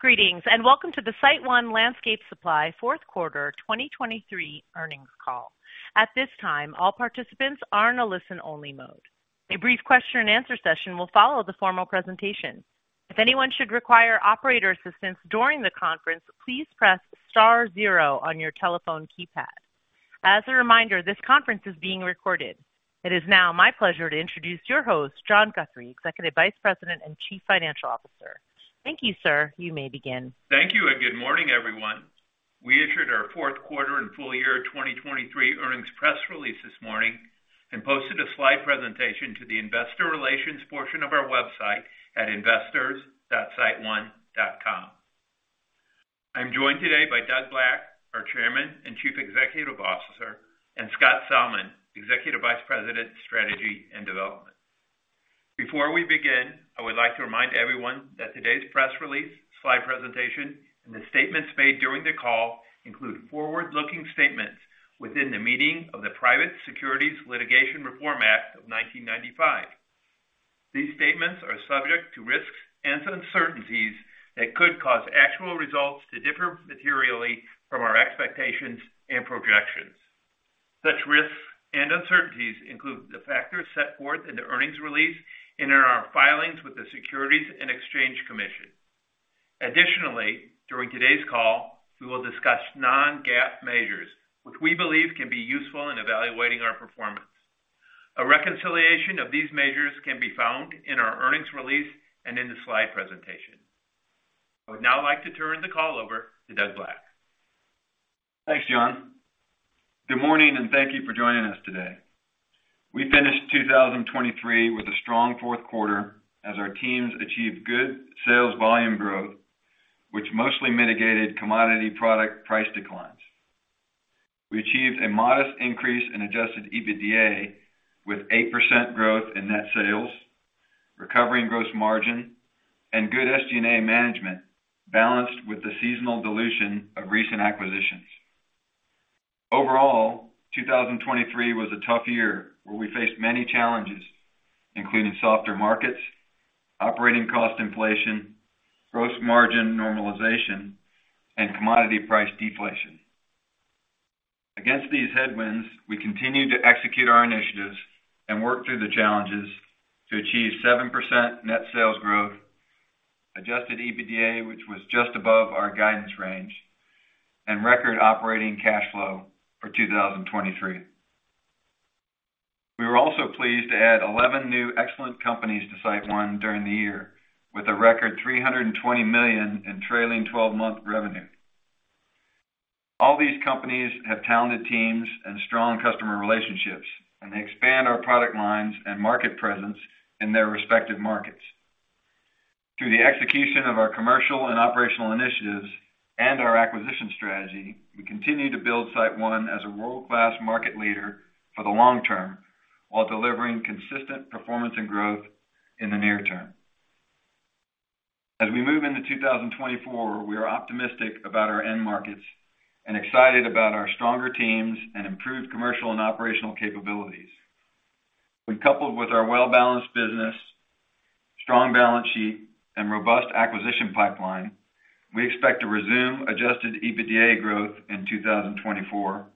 Greetings and welcome to the SiteOne Landscape Supply fourth quarter 2023 earnings call. At this time, all participants are in a listen-only mode. A brief question-and-answer session will follow the formal presentation. If anyone should require operator assistance during the conference, please press star zero on your telephone keypad. As a reminder, this conference is being recorded. It is now my pleasure to introduce your host, John Guthrie, Executive Vice President and Chief Financial Officer. Thank you, sir. You may begin. Thank you and good morning, everyone. We issued our fourth quarter and full year 2023 earnings press release this morning and posted a slide presentation to the Investor Relations portion of our website at investors.siteone.com. I'm joined today by Doug Black, our Chairman and Chief Executive Officer, and Scott Salmon, Executive Vice President, Strategy and Development. Before we begin, I would like to remind everyone that today's press release, slide presentation, and the statements made during the call include forward-looking statements within the meaning of the Private Securities Litigation Reform Act of 1995. These statements are subject to risks and uncertainties that could cause actual results to differ materially from our expectations and projections. Such risks and uncertainties include the factors set forth in the earnings release and in our filings with the Securities and Exchange Commission. Additionally, during today's call, we will discuss non-GAAP measures, which we believe can be useful in evaluating our performance. A reconciliation of these measures can be found in our earnings release and in the slide presentation. I would now like to turn the call over to Doug Black. Thanks, John. Good morning and thank you for joining us today. We finished 2023 with a strong fourth quarter as our teams achieved good sales volume growth, which mostly mitigated commodity product price declines. We achieved a modest increase in Adjusted EBITDA with 8% growth in net sales, recovering gross margin, and good SG&A management balanced with the seasonal dilution of recent acquisitions. Overall, 2023 was a tough year where we faced many challenges, including softer markets, operating cost inflation, gross margin normalization, and commodity price deflation. Against these headwinds, we continue to execute our initiatives and work through the challenges to achieve 7% net sales growth, adjusted EBITDA, which was just above our guidance range, and record operating cash flow for 2023. We were also pleased to add 11 new excellent companies to SiteOne during the year with a record $320 million in trailing 12-month revenue. All these companies have talented teams and strong customer relationships, and they expand our product lines and market presence in their respective markets. Through the execution of our commercial and operational initiatives and our acquisition strategy, we continue to build SiteOne as a world-class market leader for the long term while delivering consistent performance and growth in the near term. As we move into 2024, we are optimistic about our end markets and excited about our stronger teams and improved commercial and operational capabilities. When coupled with our well-balanced business, strong balance sheet, and robust acquisition pipeline, we expect to resume adjusted EBITDA growth in 2024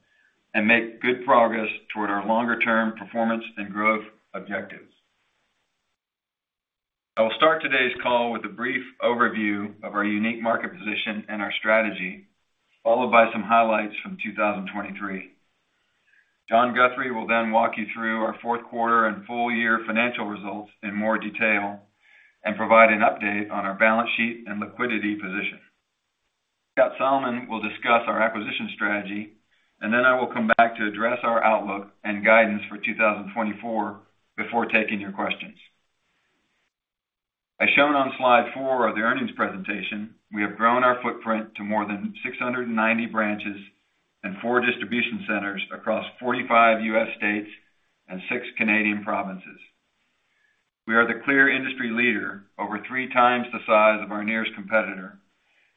and make good progress toward our longer-term performance and growth objectives. I will start today's call with a brief overview of our unique market position and our strategy, followed by some highlights from 2023. John Guthrie will then walk you through our fourth quarter and full year financial results in more detail and provide an update on our balance sheet and liquidity position. Scott Salmon will discuss our acquisition strategy, and then I will come back to address our outlook and guidance for 2024 before taking your questions. As shown on slide four of the earnings presentation, we have grown our footprint to more than 690 branches and four distribution centers across 45 U.S. states and six Canadian provinces. We are the clear industry leader over 3x the size of our nearest competitor,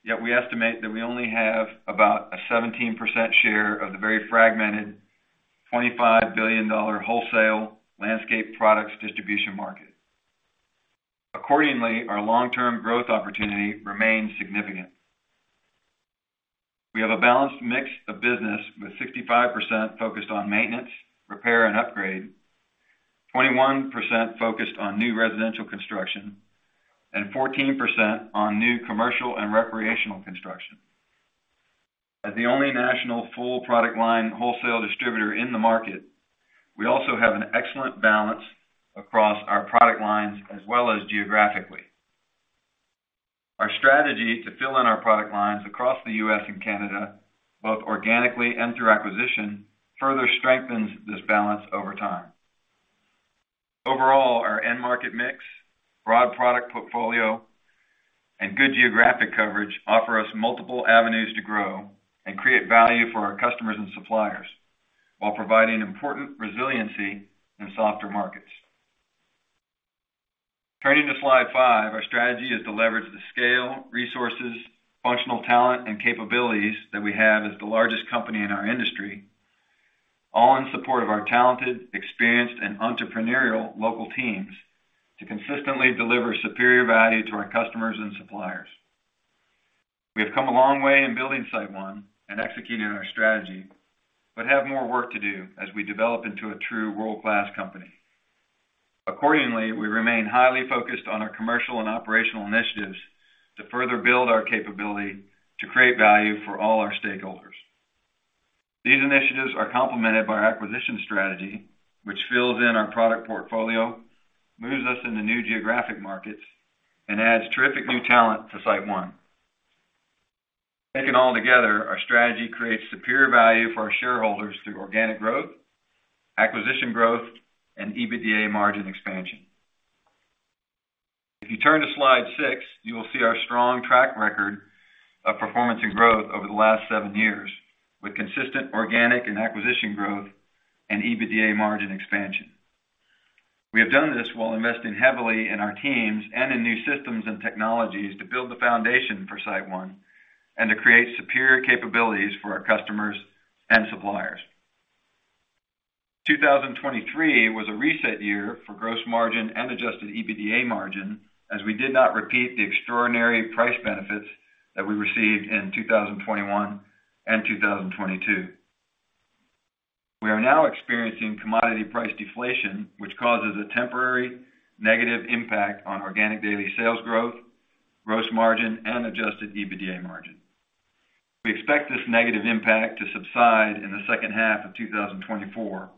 yet we estimate that we only have about a 17% share of the very fragmented $25 billion wholesale landscape products distribution market. Accordingly, our long-term growth opportunity remains significant. We have a balanced mix of business with 65% focused on maintenance, repair, and upgrade, 21% focused on new residential construction, and 14% on new commercial and recreational construction. As the only national full product line wholesale distributor in the market, we also have an excellent balance across our product lines as well as geographically. Our strategy to fill in our product lines across the U.S. and Canada, both organically and through acquisition, further strengthens this balance over time. Overall, our end market mix, broad product portfolio, and good geographic coverage offer us multiple avenues to grow and create value for our customers and suppliers while providing important resiliency in softer markets. Turning to slide five, our strategy is to leverage the scale, resources, functional talent, and capabilities that we have as the largest company in our industry, all in support of our talented, experienced, and entrepreneurial local teams to consistently deliver superior value to our customers and suppliers. We have come a long way in building SiteOne and executing our strategy but have more work to do as we develop into a true world-class company. Accordingly, we remain highly focused on our commercial and operational initiatives to further build our capability to create value for all our stakeholders. These initiatives are complemented by our acquisition strategy, which fills in our product portfolio, moves us into new geographic markets, and adds terrific new talent to SiteOne. Taken all together, our strategy creates superior value for our shareholders through organic growth, acquisition growth, and EBITDA margin expansion. If you turn to slide six, you will see our strong track record of performance and growth over the last seven years with consistent organic and acquisition growth and EBITDA margin expansion. We have done this while investing heavily in our teams and in new systems and technologies to build the foundation for SiteOne and to create superior capabilities for our customers and suppliers. 2023 was a reset year for gross margin and adjusted EBITDA margin as we did not repeat the extraordinary price benefits that we received in 2021 and 2022. We are now experiencing commodity price deflation, which causes a temporary negative impact on organic daily sales growth, gross margin, and adjusted EBITDA margin. We expect this negative impact to subside in the second half of 2024,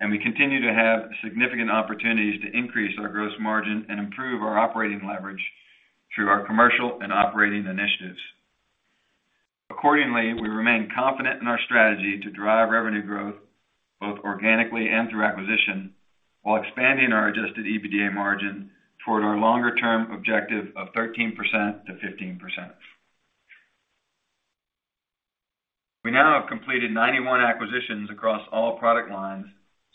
and we continue to have significant opportunities to increase our gross margin and improve our operating leverage through our commercial and operating initiatives. Accordingly, we remain confident in our strategy to drive revenue growth both organically and through acquisition while expanding our adjusted EBITDA margin toward our longer-term objective of 13%-15%. We now have completed 91 acquisitions across all product lines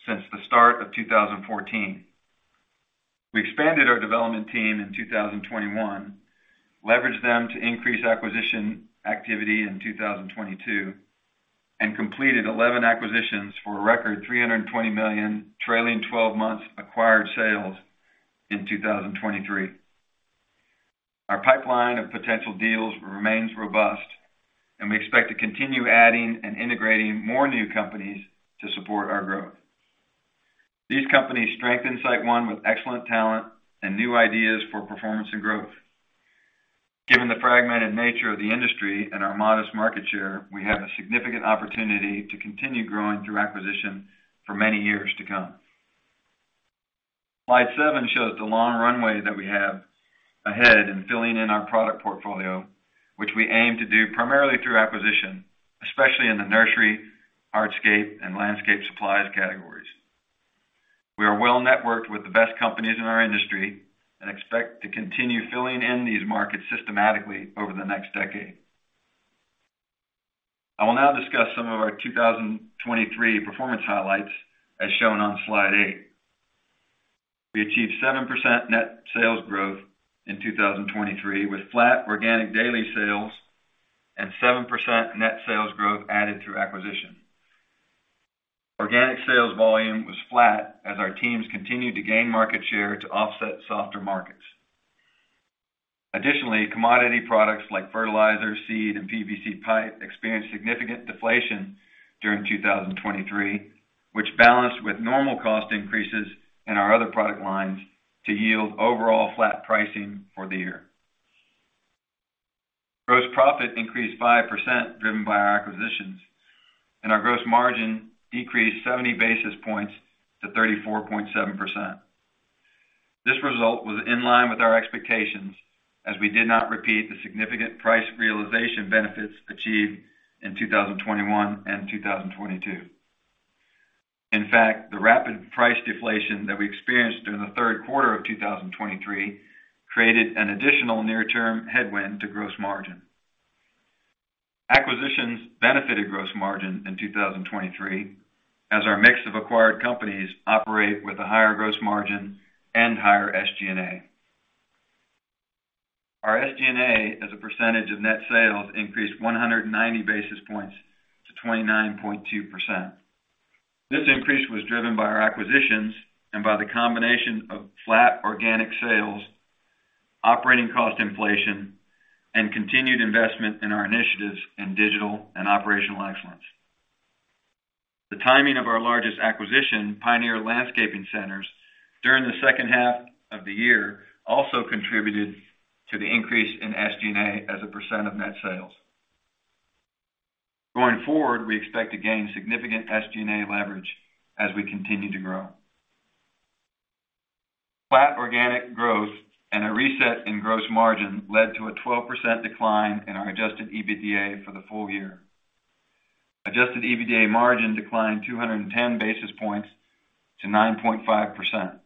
since the start of 2014. We expanded our development team in 2021, leveraged them to increase acquisition activity in 2022, and completed 11 acquisitions for a record $320 million trailing 12-month acquired sales in 2023. Our pipeline of potential deals remains robust, and we expect to continue adding and integrating more new companies to support our growth. These companies strengthen SiteOne with excellent talent and new ideas for performance and growth. Given the fragmented nature of the industry and our modest market share, we have a significant opportunity to continue growing through acquisition for many years to come. Slide seven shows the long runway that we have ahead in filling in our product portfolio, which we aim to do primarily through acquisition, especially in the nursery, hardscape, and landscape supplies categories. We are well-networked with the best companies in our industry and expect to continue filling in these markets systematically over the next decade. I will now discuss some of our 2023 performance highlights as shown on slide 8. We achieved 7% net sales growth in 2023 with flat organic daily sales and 7% net sales growth added through acquisition. Organic sales volume was flat as our teams continued to gain market share to offset softer markets. Additionally, commodity products like fertilizer, seed, and PVC pipe experienced significant deflation during 2023, which balanced with normal cost increases in our other product lines to yield overall flat pricing for the year. Gross profit increased 5% driven by our acquisitions, and our gross margin decreased 70 basis points to 34.7%. This result was in line with our expectations as we did not repeat the significant price realization benefits achieved in 2021 and 2022. In fact, the rapid price deflation that we experienced during the third quarter of 2023 created an additional near-term headwind to gross margin. Acquisitions benefited gross margin in 2023 as our mix of acquired companies operate with a higher gross margin and higher SG&A. Our SG&A, as a percentage of net sales, increased 190 basis points to 29.2%. This increase was driven by our acquisitions and by the combination of flat organic sales, operating cost inflation, and continued investment in our initiatives in digital and operational excellence. The timing of our largest acquisition, Pioneer Landscape Centers, during the second half of the year also contributed to the increase in SG&A as a percent of net sales. Going forward, we expect to gain significant SG&A leverage as we continue to grow. Flat organic growth and a reset in gross margin led to a 12% decline in our adjusted EBITDA for the full year. Adjusted EBITDA margin declined 210 basis points to 9.5%.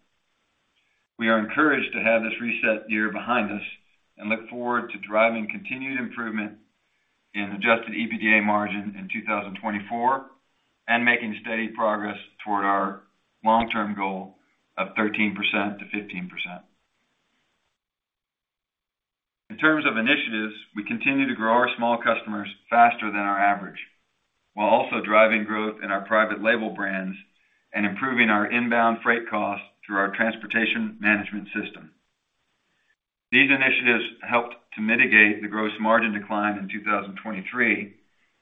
We are encouraged to have this reset year behind us and look forward to driving continued improvement in adjusted EBITDA margin in 2024 and making steady progress toward our long-term goal of 13%-15%. In terms of initiatives, we continue to grow our small customers faster than our average while also driving growth in our private label brands and improving our inbound freight costs through our transportation management system. These initiatives helped to mitigate the gross margin decline in 2023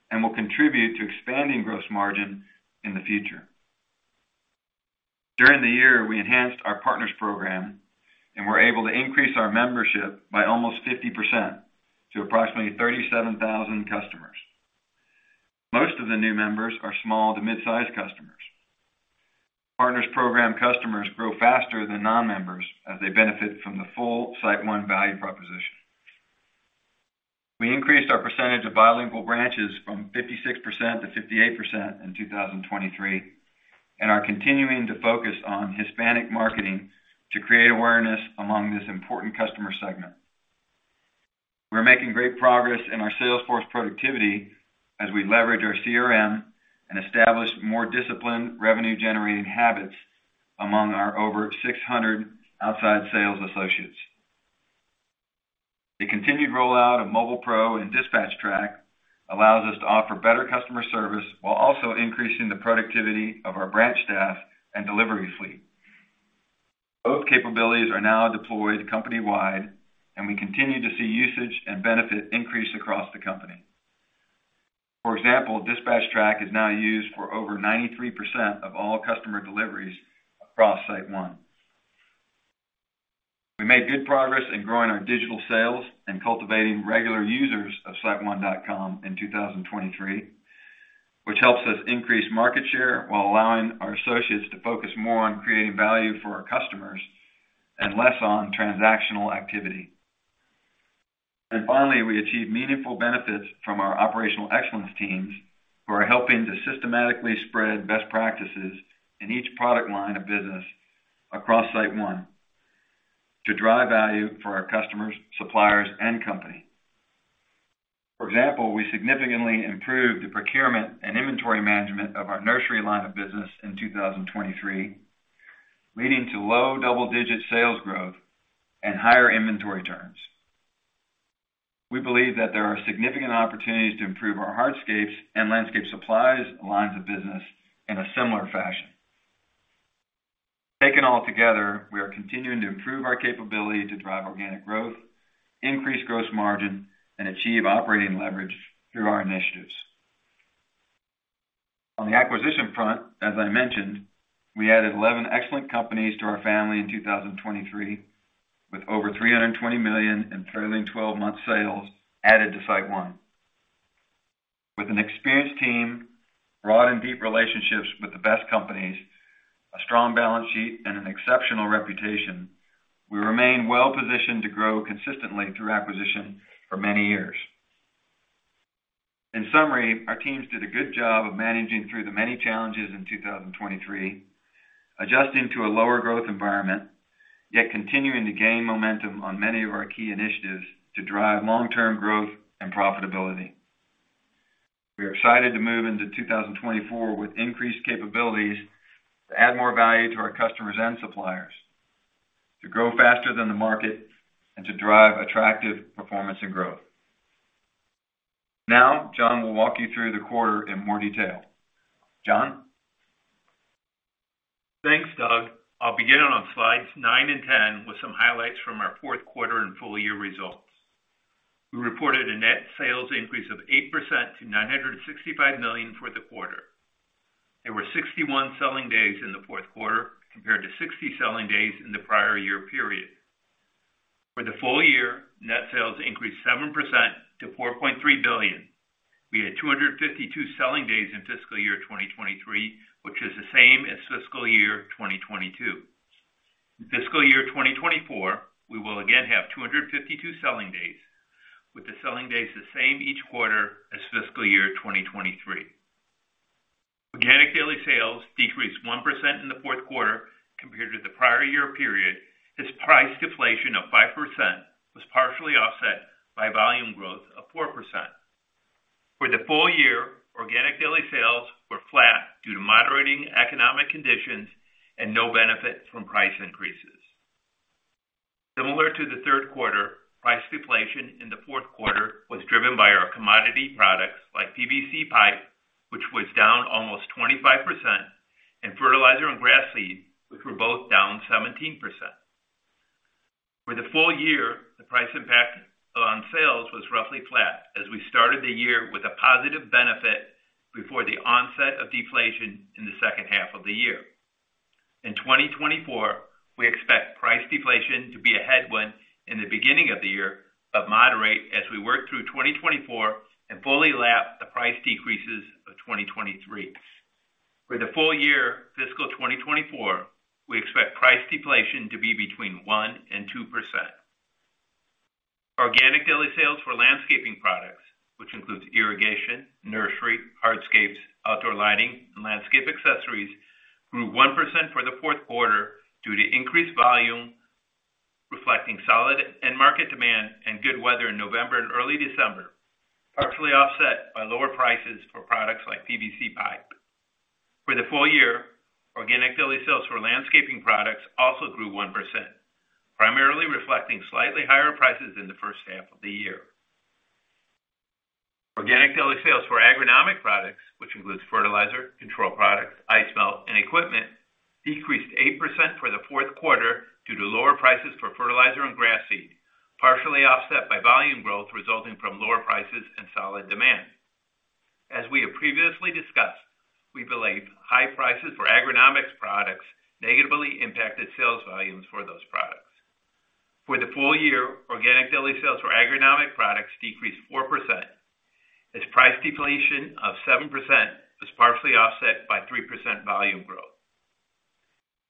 and will contribute to expanding gross margin in the future. During the year, we enhanced our Partners Program, and we're able to increase our membership by almost 50% to approximately 37,000 customers. Most of the new members are small to midsize customers. Partners Program customers grow faster than non-members as they benefit from the full SiteOne value proposition. We increased our percentage of bilingual branches from 56% to 58% in 2023 and are continuing to focus on Hispanic marketing to create awareness among this important customer segment. We're making great progress in our salesforce productivity as we leverage our CRM and establish more disciplined revenue-generating habits among our over 600 outside sales associates. The continued rollout of Mobile PRO and DispatchTrack allows us to offer better customer service while also increasing the productivity of our branch staff and delivery fleet. Both capabilities are now deployed company-wide, and we continue to see usage and benefit increase across the company. For example, DispatchTrack is now used for over 93% of all customer deliveries across SiteOne. We made good progress in growing our digital sales and cultivating regular users of siteone.com in 2023, which helps us increase market share while allowing our associates to focus more on creating value for our customers and less on transactional activity. Finally, we achieved meaningful benefits from our operational excellence teams who are helping to systematically spread best practices in each product line of business across SiteOne to drive value for our customers, suppliers, and company. For example, we significantly improved the procurement and inventory management of our nursery line of business in 2023, leading to low double-digit sales growth and higher inventory turns. We believe that there are significant opportunities to improve our hardscapes and landscape supplies lines of business in a similar fashion. Taken all together, we are continuing to improve our capability to drive organic growth, increase gross margin, and achieve operating leverage through our initiatives. On the acquisition front, as I mentioned, we added 11 excellent companies to our family in 2023 with over $320 million in trailing 12 months sales added to SiteOne. With an experienced team, broad and deep relationships with the best companies, a strong balance sheet, and an exceptional reputation, we remain well-positioned to grow consistently through acquisition for many years. In summary, our teams did a good job of managing through the many challenges in 2023, adjusting to a lower growth environment, yet continuing to gain momentum on many of our key initiatives to drive long-term growth and profitability. We are excited to move into 2024 with increased capabilities to add more value to our customers and suppliers, to grow faster than the market, and to drive attractive performance and growth. Now, John will walk you through the quarter in more detail. John? Thanks, Doug. I'll begin on slides nine and 10 with some highlights from our fourth quarter and full-year results. We reported a net sales increase of 8% to $965 million for the quarter. There were 61 selling days in the fourth quarter compared to 60 selling days in the prior year period. For the full year, net sales increased 7% to $4.3 billion. We had 252 selling days in fiscal year 2023, which is the same as fiscal year 2022. In fiscal year 2024, we will again have 252 selling days, with the selling days the same each quarter as fiscal year 2023. Organic daily sales decreased 1% in the fourth quarter compared to the prior year period. This price deflation of 5% was partially offset by volume growth of 4%. For the full year, organic daily sales were flat due to moderating economic conditions and no benefit from price increases. Similar to the third quarter, price deflation in the fourth quarter was driven by our commodity products like PVC pipe, which was down almost 25%, and fertilizer and grass seed, which were both down 17%. For the full year, the price impact on sales was roughly flat as we started the year with a positive benefit before the onset of deflation in the second half of the year. In 2024, we expect price deflation to be a headwind in the beginning of the year but moderate as we work through 2024 and fully lap the price decreases of 2023. For the full year, fiscal 2024, we expect price deflation to be between 1% and 2%. Organic daily sales for landscaping products, which includes irrigation, nursery, hardscapes, outdoor lighting, and landscape accessories, grew 1% for the fourth quarter due to increased volume reflecting solid end-market demand and good weather in November and early December, partially offset by lower prices for products like PVC pipe. For the full year, organic daily sales for landscaping products also grew 1%, primarily reflecting slightly higher prices in the first half of the year. Organic daily sales for agronomic products, which includes fertilizer, control products, ice melt, and equipment, decreased 8% for the fourth quarter due to lower prices for fertilizer and grass seed, partially offset by volume growth resulting from lower prices and solid demand. As we have previously discussed, we believe high prices for agronomic products negatively impacted sales volumes for those products. For the full year, organic daily sales for agronomic products decreased 4%, as price deflation of 7% was partially offset by 3% volume growth.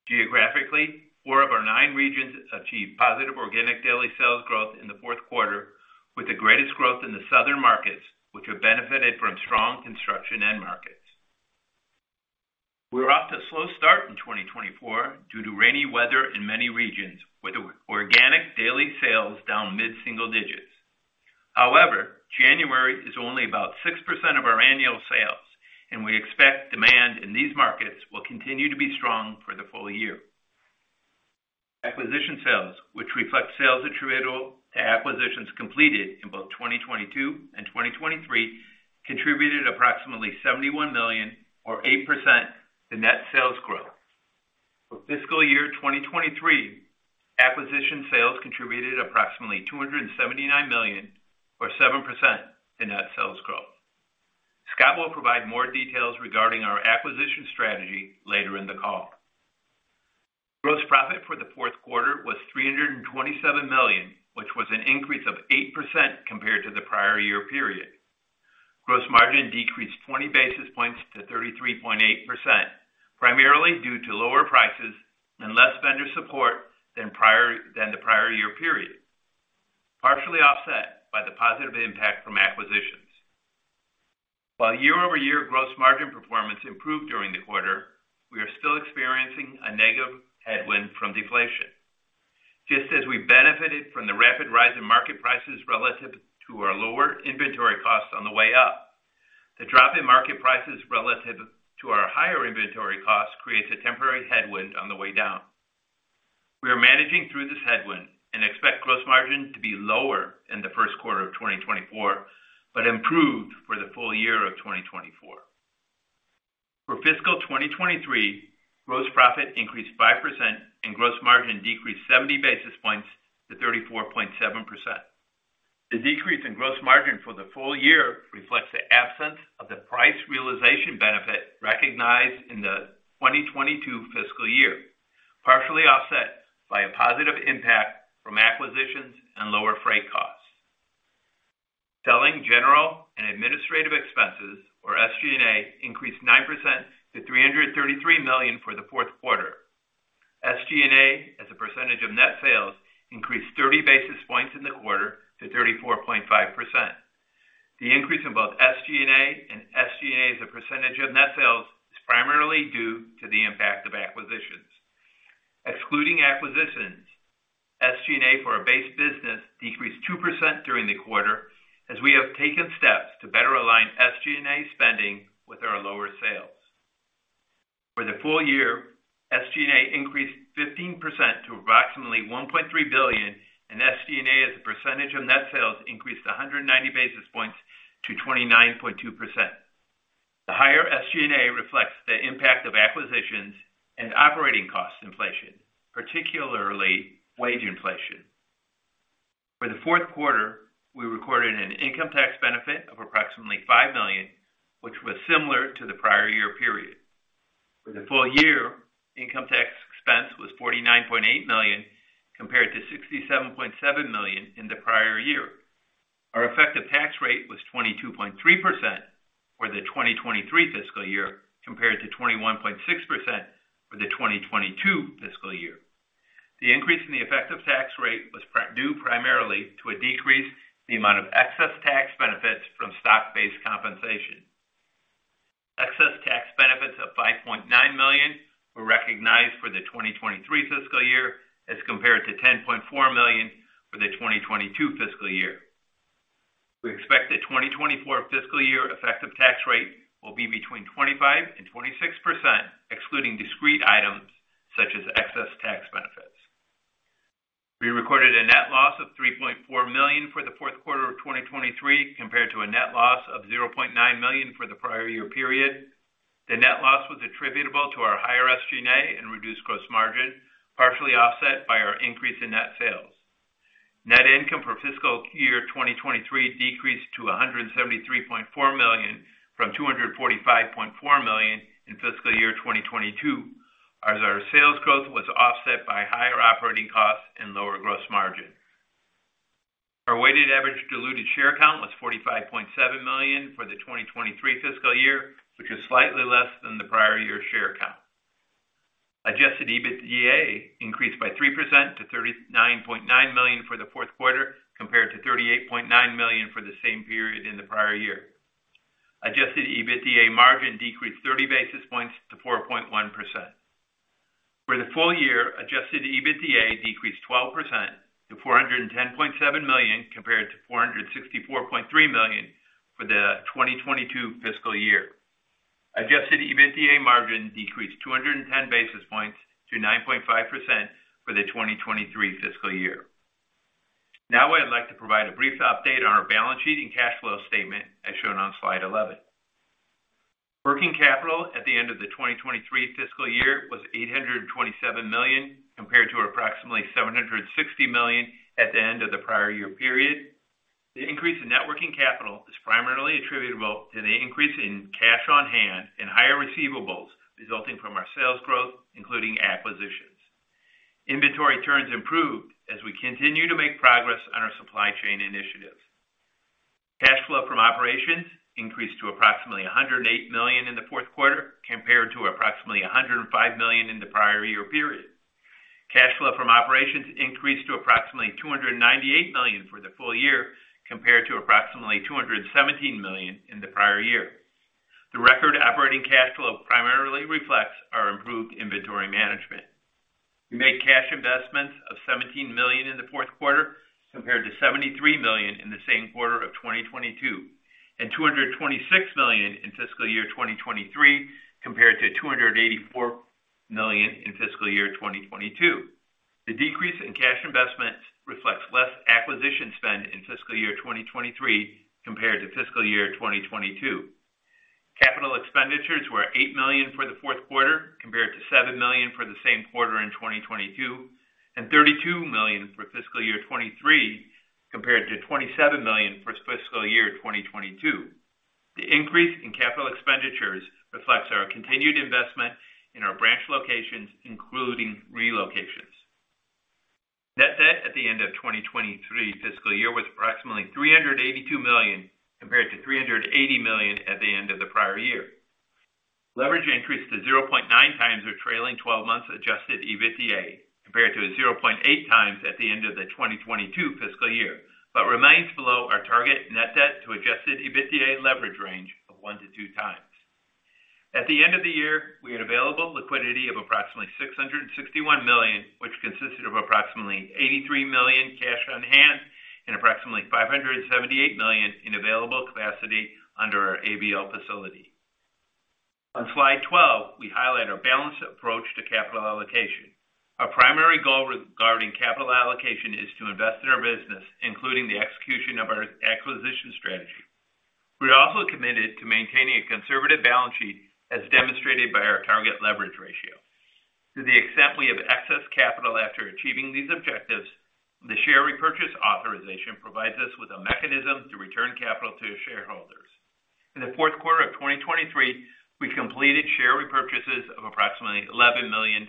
Geographically, four of our nine regions achieved positive organic daily sales growth in the fourth quarter, with the greatest growth in the southern markets, which have benefited from strong construction end-markets. We're off to a slow start in 2024 due to rainy weather in many regions, with organic daily sales down mid-single digits. However, January is only about 6% of our annual sales, and we expect demand in these markets will continue to be strong for the full year. Acquisition sales, which reflect sales attributable to acquisitions completed in both 2022 and 2023, contributed approximately $71 million, or 8%, to net sales growth. For fiscal year 2023, acquisition sales contributed approximately $279 million, or 7%, to net sales growth. Scott will provide more details regarding our acquisition strategy later in the call. Gross profit for the fourth quarter was $327 million, which was an increase of 8% compared to the prior year period. Gross margin decreased 20 basis points to 33.8%, primarily due to lower prices and less vendor support than the prior year period, partially offset by the positive impact from acquisitions. While year-over-year gross margin performance improved during the quarter, we are still experiencing a negative headwind from deflation. Just as we benefited from the rapid rise in market prices relative to our lower inventory costs on the way up, the drop in market prices relative to our higher inventory costs creates a temporary headwind on the way down. We are managing through this headwind and expect gross margin to be lower in the first quarter of 2024 but improved for the full year of 2024. For fiscal 2023, gross profit increased 5% and gross margin decreased 70 basis points to 34.7%. The decrease in gross margin for the full year reflects the absence of the price realization benefit recognized in the 2022 fiscal year, partially offset by a positive impact from acquisitions and lower freight costs. Selling general and administrative expenses, or SG&A, increased 9% to $333 million for the fourth quarter. SG&A, as a percentage of net sales, increased 30 basis points in the quarter to 34.5%. The increase in both SG&A and SG&A as a percentage of net sales is primarily due to the impact of acquisitions. Excluding acquisitions, SG&A for a base business decreased 2% during the quarter as we have taken steps to better align SG&A spending with our lower sales. For the full year, SG&A increased 15% to approximately $1.3 billion, and SG&A as a percentage of net sales increased 190 basis points to 29.2%. The higher SG&A reflects the impact of acquisitions and operating costs inflation, particularly wage inflation. For the fourth quarter, we recorded an income tax benefit of approximately $5 million, which was similar to the prior year period. For the full year, income tax expense was $49.8 million compared to $67.7 million in the prior year. Our effective tax rate was 22.3% for the 2023 fiscal year compared to 21.6% for the 2022 fiscal year. The increase in the effective tax rate was due primarily to a decrease in the amount of excess tax benefits from stock-based compensation. Excess tax benefits of $5.9 million were recognized for the 2023 fiscal year as compared to $10.4 million for the 2022 fiscal year. We expect the 2024 fiscal year effective tax rate will be between 25%-26%, excluding discrete items such as excess tax benefits. We recorded a net loss of $3.4 million for the fourth quarter of 2023 compared to a net loss of $0.9 million for the prior year period. The net loss was attributable to our higher SG&A and reduced gross margin, partially offset by our increase in net sales. Net income for fiscal year 2023 decreased to $173.4 million from $245.4 million in fiscal year 2022, as our sales growth was offset by higher operating costs and lower gross margin. Our weighted average diluted share count was 45.7 million for the 2023 fiscal year, which was slightly less than the prior year share count. Adjusted EBITDA increased by 3% to $39.9 million for the fourth quarter compared to $38.9 million for the same period in the prior year. Adjusted EBITDA margin decreased 30 basis points to 4.1%. For the full year, adjusted EBITDA decreased 12% to $410.7 million compared to $464.3 million for the 2022 fiscal year. Adjusted EBITDA margin decreased 210 basis points to 9.5% for the 2023 fiscal year. Now, I'd like to provide a brief update on our balance sheet and cash flow statement as shown on slide 11. Working capital at the end of the 2023 fiscal year was $827 million compared to approximately $760 million at the end of the prior year period. The increase in working capital is primarily attributable to the increase in cash on hand and higher receivables resulting from our sales growth, including acquisitions. Inventory turns improved as we continue to make progress on our supply chain initiatives. Cash flow from operations increased to approximately $108 million in the fourth quarter compared to approximately $105 million in the prior year period. Cash flow from operations increased to approximately $298 million for the full year compared to approximately $217 million in the prior year. The record operating cash flow primarily reflects our improved inventory management. We made cash investments of $17 million in the fourth quarter compared to $73 million in the same quarter of 2022 and $226 million in fiscal year 2023 compared to $284 million in fiscal year 2022. The decrease in cash investments reflects less acquisition spend in fiscal year 2023 compared to fiscal year 2022. Capital expenditures were $8 million for the fourth quarter compared to $7 million for the same quarter in 2022 and $32 million for fiscal year 2023 compared to $27 million for fiscal year 2022. The increase in capital expenditures reflects our continued investment in our branch locations, including relocations. Net debt at the end of 2023 fiscal year was approximately $382 million compared to $380 million at the end of the prior year. Leverage increased to 0.9x trailing 12-month Adjusted EBITDA compared to 0.8x at the end of the 2022 fiscal year but remains below our target net debt to adjusted EBITDA leverage range of 1x to 2x. At the end of the year, we had available liquidity of approximately $661 million, which consisted of approximately $83 million cash on hand and approximately $578 million in available capacity under our ABL Facility. On Slide 12, we highlight our balanced approach to capital allocation. Our primary goal regarding capital allocation is to invest in our business, including the execution of our acquisition strategy. We are also committed to maintaining a conservative balance sheet, as demonstrated by our target leverage ratio. To the extent we have excess capital after achieving these objectives, the share repurchase authorization provides us with a mechanism to return capital to shareholders. In the fourth quarter of 2023, we completed share repurchases of approximately $11 million.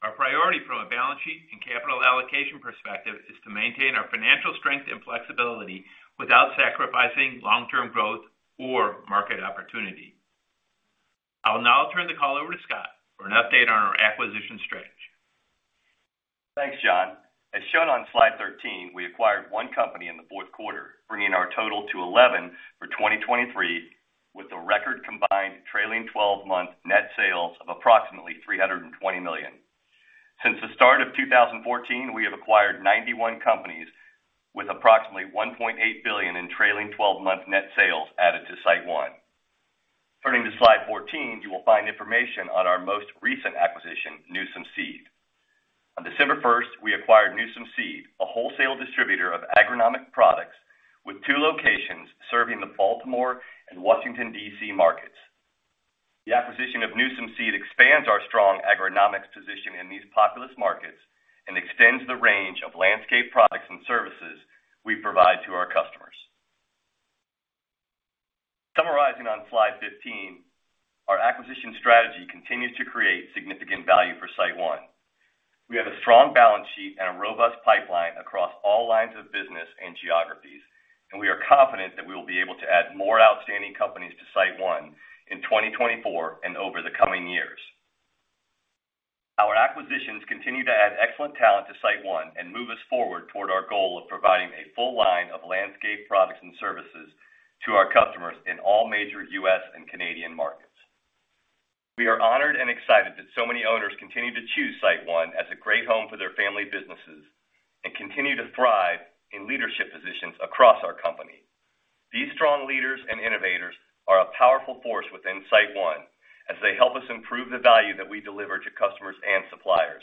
Our priority from a balance sheet and capital allocation perspective is to maintain our financial strength and flexibility without sacrificing long-term growth or market opportunity. I will now turn the call over to Scott for an update on our acquisition strategy. Thanks, John. As shown on slide 13, we acquired one company in the fourth quarter, bringing our total to 11 for 2023, with a record combined trailing 12-month net sales of approximately $320 million. Since the start of 2014, we have acquired 91 companies, with approximately $1.8 billion in trailing 12-month net sales added to SiteOne. Turning to slide 14, you will find information on our most recent acquisition, Newsom Seed. On December 1st, we acquired Newsom Seed, a wholesale distributor of agronomic products with two locations serving the Baltimore and Washington, D.C., markets. The acquisition of Newsom Seed expands our strong agronomics position in these populous markets and extends the range of landscape products and services we provide to our customers. Summarizing on slide 15, our acquisition strategy continues to create significant value for SiteOne. We have a strong balance sheet and a robust pipeline across all lines of business and geographies, and we are confident that we will be able to add more outstanding companies to SiteOne in 2024 and over the coming years. Our acquisitions continue to add excellent talent to SiteOne and move us forward toward our goal of providing a full line of landscape products and services to our customers in all major U.S. and Canadian markets. We are honored and excited that so many owners continue to choose SiteOne as a great home for their family businesses and continue to thrive in leadership positions across our company. These strong leaders and innovators are a powerful force within SiteOne, as they help us improve the value that we deliver to customers and suppliers.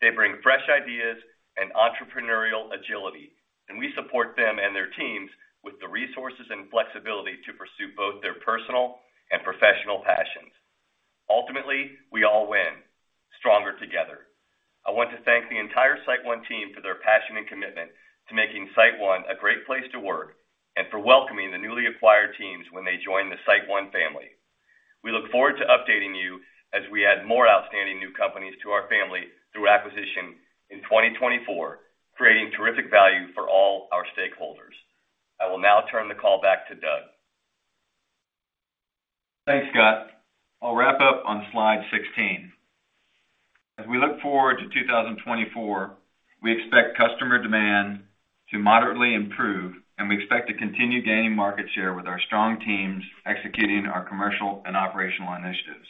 They bring fresh ideas and entrepreneurial agility, and we support them and their teams with the resources and flexibility to pursue both their personal and professional passions. Ultimately, we all win: stronger together. I want to thank the entire SiteOne team for their passion and commitment to making SiteOne a great place to work and for welcoming the newly acquired teams when they join the SiteOne family. We look forward to updating you as we add more outstanding new companies to our family through acquisition in 2024, creating terrific value for all our stakeholders. I will now turn the call back to Doug. Thanks, Scott. I'll wrap up on slide 16. As we look forward to 2024, we expect customer demand to moderately improve, and we expect to continue gaining market share with our strong teams executing our commercial and operational initiatives.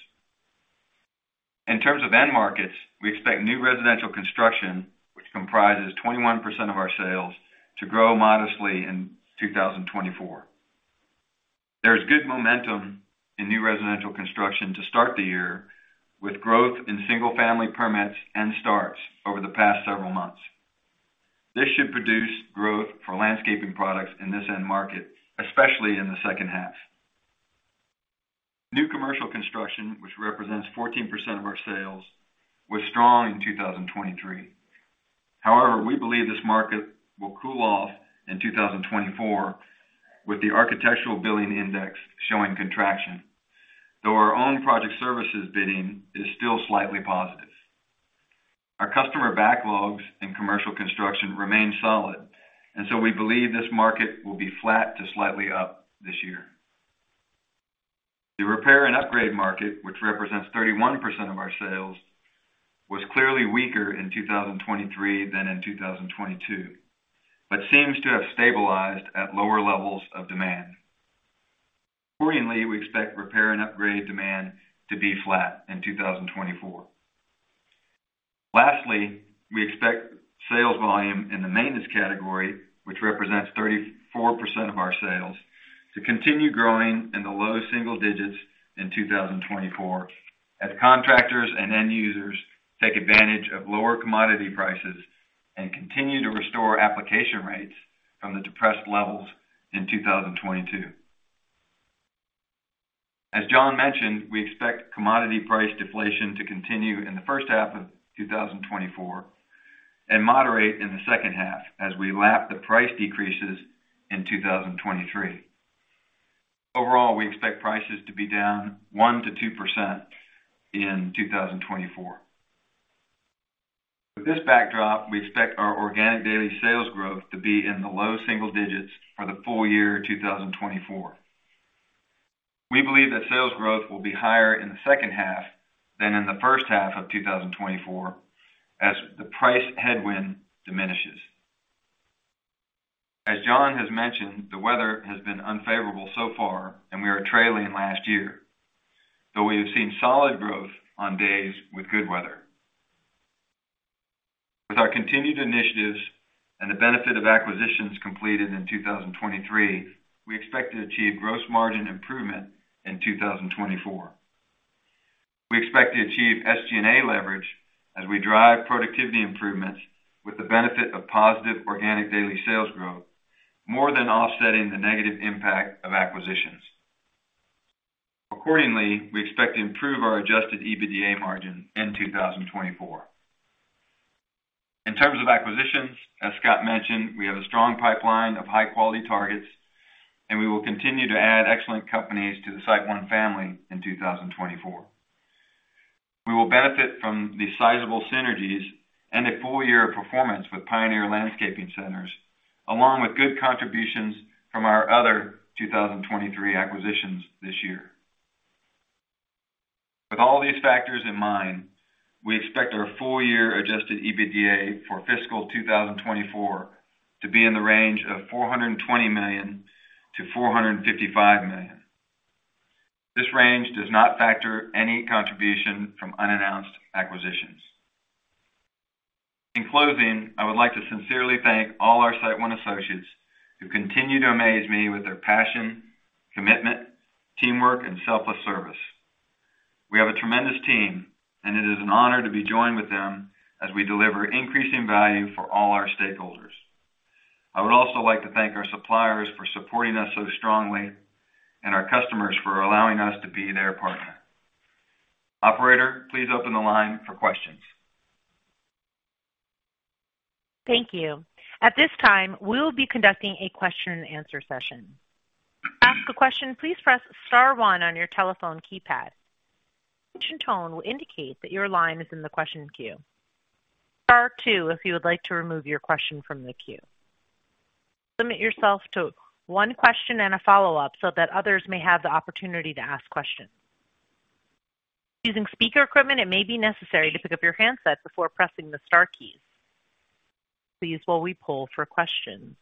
In terms of end markets, we expect new residential construction, which comprises 21% of our sales, to grow modestly in 2024. There is good momentum in new residential construction to start the year with growth in single-family permits and starts over the past several months. This should produce growth for landscaping products in this end market, especially in the second half. New commercial construction, which represents 14% of our sales, was strong in 2023. However, we believe this market will cool off in 2024, with the Architectural Billing Index showing contraction, though our own project services bidding is still slightly positive. Our customer backlogs in commercial construction remain solid, and so we believe this market will be flat to slightly up this year. The repair and upgrade market, which represents 31% of our sales, was clearly weaker in 2023 than in 2022 but seems to have stabilized at lower levels of demand. Accordingly, we expect repair and upgrade demand to be flat in 2024. Lastly, we expect sales volume in the maintenance category, which represents 34% of our sales, to continue growing in the low single digits in 2024 as contractors and end users take advantage of lower commodity prices and continue to restore application rates from the depressed levels in 2022. As John mentioned, we expect commodity price deflation to continue in the first half of 2024 and moderate in the second half as we lap the price decreases in 2023. Overall, we expect prices to be down 1%-2% in 2024. With this backdrop, we expect our Organic Daily Sales growth to be in the low single digits for the full year 2024. We believe that sales growth will be higher in the second half than in the first half of 2024 as the price headwind diminishes. As John has mentioned, the weather has been unfavorable so far, and we are trailing last year, though we have seen solid growth on days with good weather. With our continued initiatives and the benefit of acquisitions completed in 2023, we expect to achieve gross margin improvement in 2024. We expect to achieve SG&A leverage as we drive productivity improvements with the benefit of positive organic daily sales growth, more than offsetting the negative impact of acquisitions. Accordingly, we expect to improve our adjusted EBITDA margin in 2024. In terms of acquisitions, as Scott mentioned, we have a strong pipeline of high-quality targets, and we will continue to add excellent companies to the SiteOne family in 2024. We will benefit from the sizable synergies and a full year of performance with Pioneer Landscape Centers, along with good contributions from our other 2023 acquisitions this year. With all these factors in mind, we expect our full year adjusted EBITDA for fiscal 2024 to be in the range of $420 million-$455 million. This range does not factor any contribution from unannounced acquisitions. In closing, I would like to sincerely thank all our SiteOne associates who continue to amaze me with their passion, commitment, teamwork, and selfless service. We have a tremendous team, and it is an honor to be joined with them as we deliver increasing value for all our stakeholders. I would also like to thank our suppliers for supporting us so strongly and our customers for allowing us to be their partner. Operator, please open the line for questions. Thank you. At this time, we will be conducting a question-and-answer session. To ask a question, please press star one on your telephone keypad. Your question tone will indicate that your line is in the question queue. Star two if you would like to remove your question from the queue. Limit yourself to one question and a follow-up so that others may have the opportunity to ask questions. Using speaker equipment, it may be necessary to pick up your handset before pressing the star keys. Please stand by while we poll for questions.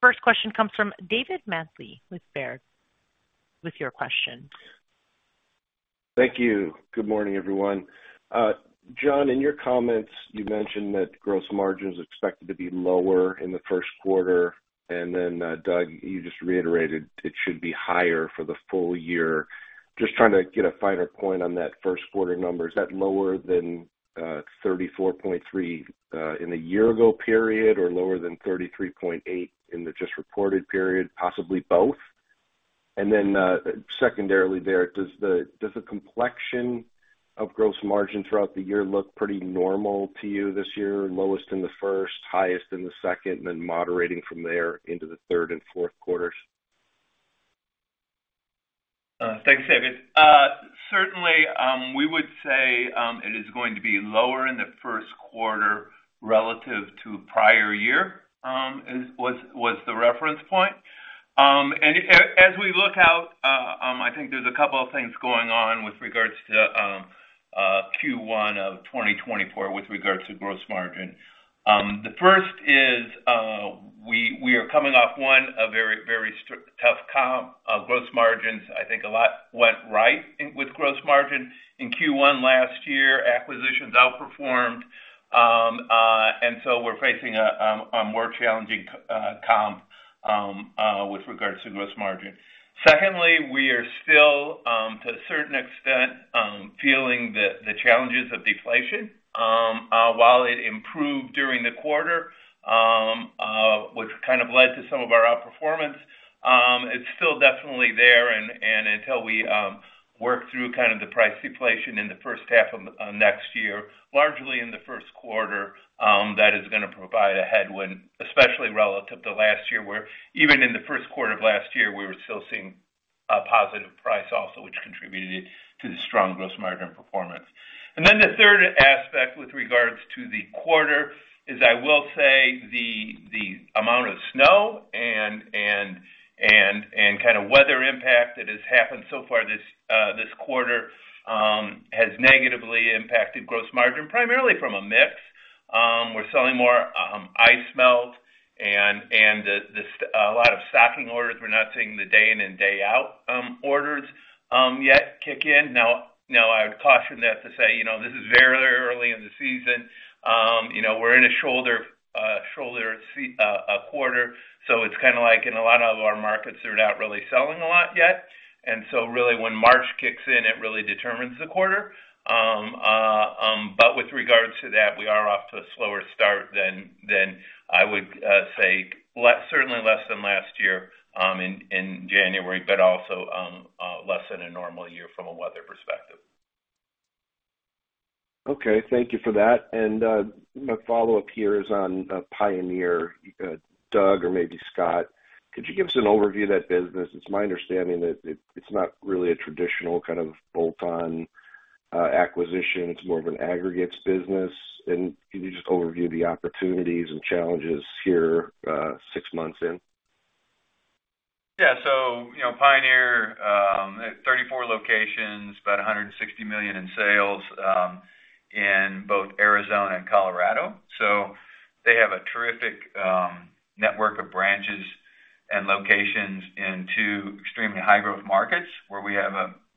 First question comes from David Manthey with Baird with your question. Thank you. Good morning, everyone. John, in your comments, you mentioned that gross margin is expected to be lower in the first quarter, and then, Doug, you just reiterated it should be higher for the full year. Just trying to get a finer point on that first quarter number. Is that lower than 34.3% in the year-ago period or lower than 33.8% in the just reported period, possibly both? And then secondarily there, does the complexion of gross margin throughout the year look pretty normal to you this year, lowest in the first, highest in the second, and then moderating from there into the third and fourth quarters? Thanks, David. Certainly, we would say it is going to be lower in the first quarter relative to prior year was the reference point. And as we look out, I think there's a couple of things going on with regards to Q1 of 2024 with regards to gross margin. The first is we are coming off one of very, very tough gross margins. I think a lot went right with gross margin in Q1 last year. Acquisitions outperformed, and so we're facing a more challenging comp with regards to gross margin. Secondly, we are still, to a certain extent, feeling the challenges of deflation. While it improved during the quarter, which kind of led to some of our outperformance, it's still definitely there, and until we work through kind of the price deflation in the first half of next year, largely in the first quarter, that is going to provide a headwind, especially relative to last year, where even in the first quarter of last year, we were still seeing a positive price also, which contributed to the strong gross margin performance. Then the third aspect with regards to the quarter is, I will say, the amount of snow and kind of weather impact that has happened so far this quarter has negatively impacted gross margin, primarily from a mix. We're selling more ice melt, and a lot of stocking orders. We're not seeing the day-in and day-out orders yet kick in. Now, I would caution that to say this is very early in the season. We're in a shoulder quarter, so it's kind of like in a lot of our markets, they're not really selling a lot yet. And so really, when March kicks in, it really determines the quarter. But with regards to that, we are off to a slower start than I would say, certainly less than last year in January, but also less than a normal year from a weather perspective. Okay. Thank you for that. My follow-up here is on Pioneer. Doug or maybe Scott, could you give us an overview of that business? It's my understanding that it's not really a traditional kind of bolt-on acquisition. It's more of an aggregates business. Can you just overview the opportunities and challenges here six months in? Yeah. So Pioneer, 34 locations, about $160 million in sales in both Arizona and Colorado. So they have a terrific network of branches and locations in two extremely high-growth markets where we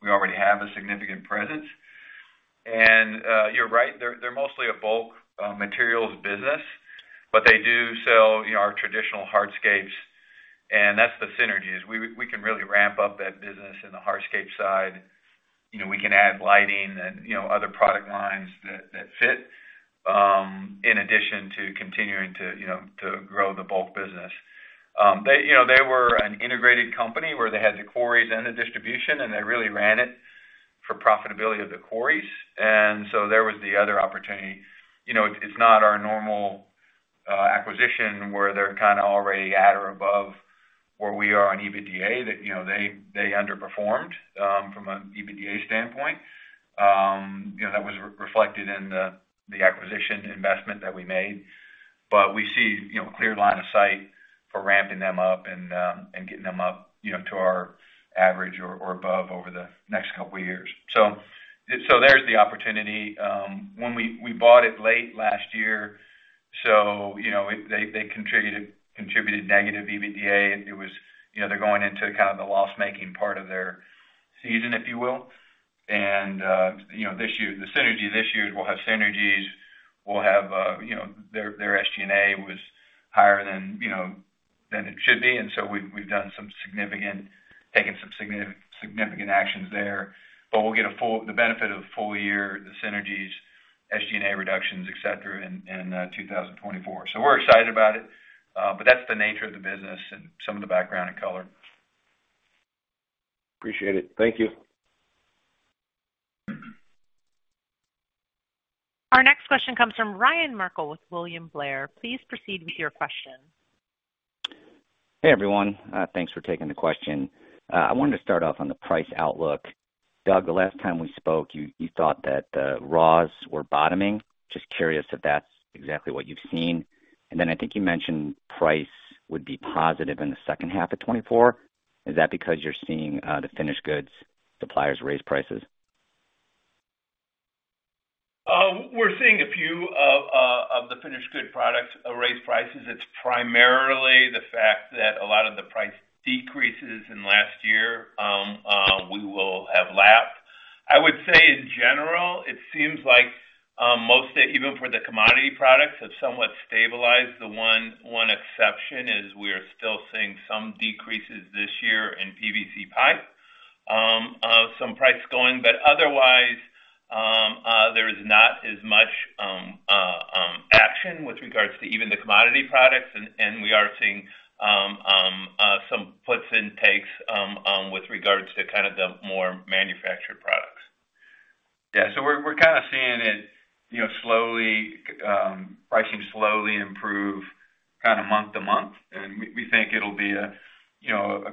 already have a significant presence. And you're right. They're mostly a bulk materials business, but they do sell our traditional hardscapes. And that's the synergy. We can really ramp up that business in the hardscape side. We can add lighting and other product lines that fit in addition to continuing to grow the bulk business. They were an integrated company where they had the quarries and the distribution, and they really ran it for profitability of the quarries. And so there was the other opportunity. It's not our normal acquisition where they're kind of already at or above where we are on EBITDA that they underperformed from an EBITDA standpoint. That was reflected in the acquisition investment that we made. But we see a clear line of sight for ramping them up and getting them up to our average or above over the next couple of years. So there's the opportunity. We bought it late last year, so they contributed negative EBITDA. They're going into kind of the loss-making part of their season, if you will. And the synergy this year is we'll have synergies. We'll have their SG&A was higher than it should be. And so we've taken some significant actions there. But we'll get the benefit of full year, the synergies, SG&A reductions, etc., in 2024. So we're excited about it, but that's the nature of the business and some of the background and color. Appreciate it. Thank you. Our next question comes from Ryan Merkel with William Blair. Please proceed with your question. Hey, everyone. Thanks for taking the question. I wanted to start off on the price outlook. Doug, the last time we spoke, you thought that raws were bottoming. Just curious if that's exactly what you've seen. And then I think you mentioned price would be positive in the second half of 2024. Is that because you're seeing the finished goods suppliers raise prices? We're seeing a few of the finished good products raise prices. It's primarily the fact that a lot of the price decreases in last year we will have lapped. I would say, in general, it seems like even for the commodity products, they've somewhat stabilized. The one exception is we are still seeing some decreases this year in PVC pipe, some price going. But otherwise, there is not as much action with regards to even the commodity products, and we are seeing some puts and takes with regards to kind of the more manufactured products. Yeah. So we're kind of seeing it pricing slowly improve kind of month-to-month, and we think it'll be a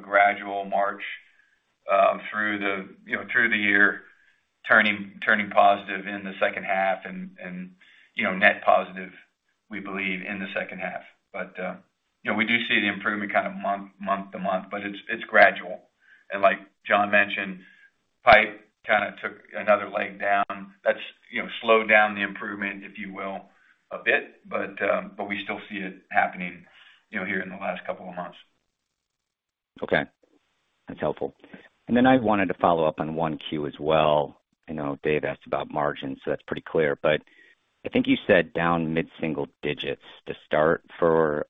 gradual march through the year, turning positive in the second half and net positive, we believe, in the second half. But we do see the improvement kind of month-to-month, but it's gradual. And like John mentioned, pipe kind of took another leg down. That's slowed down the improvement, if you will, a bit, but we still see it happening here in the last couple of months. Okay. That's helpful. And then I wanted to follow up on 1Q as well. I know David asked about margins, so that's pretty clear. But I think you said down mid-single digits to start for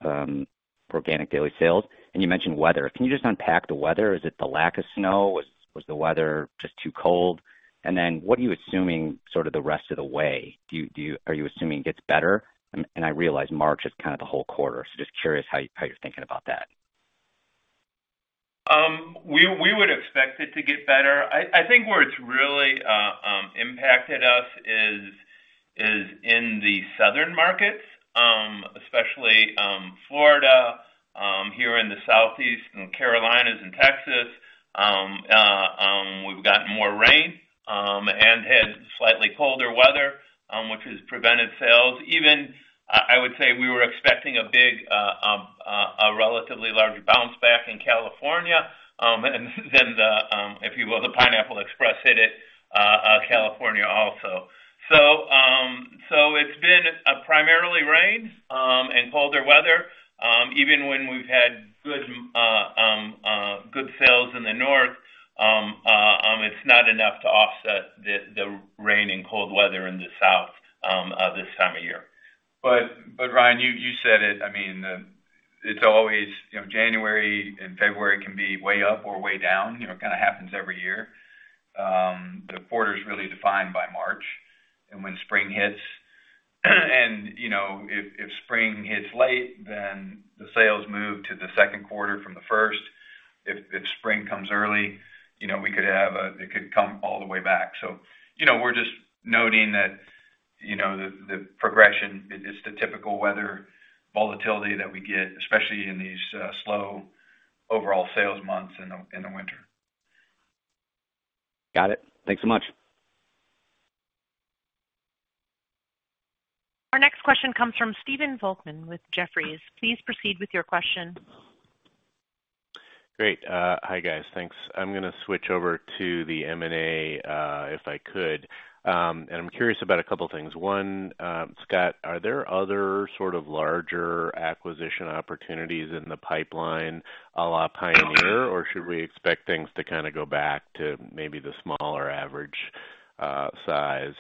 organic daily sales. And you mentioned weather. Can you just unpack the weather? Is it the lack of snow? Was the weather just too cold? And then what are you assuming sort of the rest of the way? Are you assuming it gets better? And I realize March is kind of the whole quarter, so just curious how you're thinking about that. We would expect it to get better. I think where it's really impacted us is in the southern markets, especially Florida, here in the southeast, and Carolinas and Texas. We've gotten more rain and had slightly colder weather, which has prevented sales. I would say we were expecting a relatively large bounce back in California and then, if you will, the Pineapple Express hit California also. So it's been primarily rain and colder weather. Even when we've had good sales in the north, it's not enough to offset the rain and cold weather in the south this time of year. But Ryan, you said it. I mean, it's always January and February can be way up or way down. It kind of happens every year. The quarter is really defined by March and when spring hits. And if spring hits late, then the sales move to the second quarter from the first. If spring comes early, we could have a it could come all the way back. So we're just noting that the progression, it's the typical weather volatility that we get, especially in these slow overall sales months in the winter. Got it. Thanks so much. Our next question comes from Stephen Volkmann with Jefferies. Please proceed with your question. Great. Hi, guys. Thanks. I'm going to switch over to the M&A if I could. I'm curious about a couple of things. One, Scott, are there other sort of larger acquisition opportunities in the pipeline a la Pioneer, or should we expect things to kind of go back to maybe the smaller average size?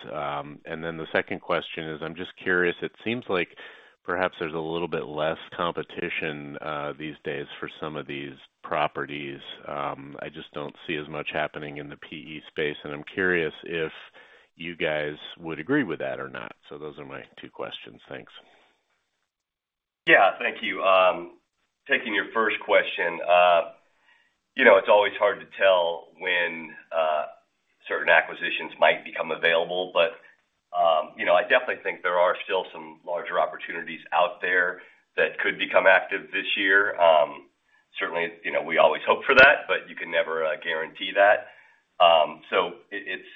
Then the second question is, I'm just curious. It seems like perhaps there's a little bit less competition these days for some of these properties. I just don't see as much happening in the PE space, and I'm curious if you guys would agree with that or not. Those are my two questions. Thanks. Yeah. Thank you. Taking your first question, it's always hard to tell when certain acquisitions might become available, but I definitely think there are still some larger opportunities out there that could become active this year. Certainly, we always hope for that, but you can never guarantee that. So it's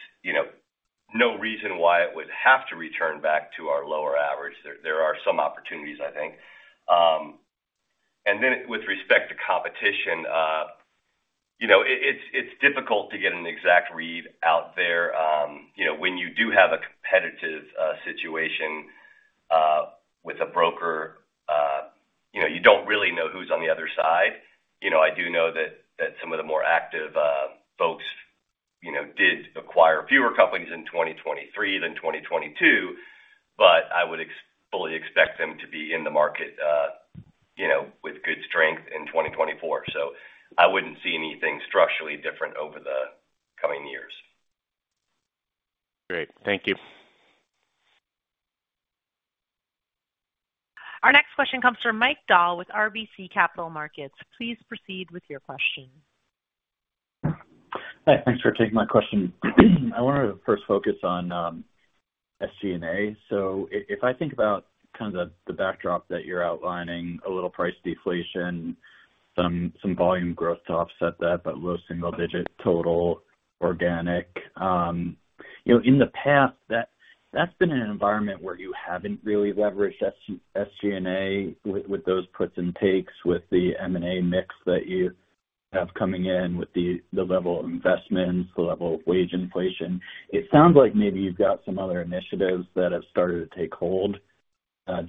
no reason why it would have to return back to our lower average. There are some opportunities, I think. And then with respect to competition, it's difficult to get an exact read out there. When you do have a competitive situation with a broker, you don't really know who's on the other side. I do know that some of the more active folks did acquire fewer companies in 2023 than 2022, but I would fully expect them to be in the market with good strength in 2024. So I wouldn't see anything structurally different over the coming years. Great. Thank you. Our next question comes from Mike Dahl with RBC Capital Markets. Please proceed with your question. Hi. Thanks for taking my question. I wanted to first focus on SG&A. So if I think about kind of the backdrop that you're outlining, a little price deflation, some volume growth to offset that, but low single-digit total organic. In the past, that's been an environment where you haven't really leveraged SG&A with those puts and takes with the M&A mix that you have coming in with the level of investments, the level of wage inflation. It sounds like maybe you've got some other initiatives that have started to take hold.